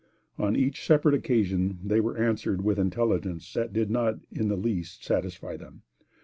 On each separate occasion they were answered with intelligence that did not in the least satisfy them.